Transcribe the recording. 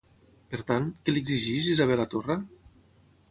Per tant, què li exigeix Isabel a Torra?